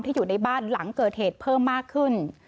อยู่ในบ้านหลังเกิดเหตุเพิ่มมากขึ้น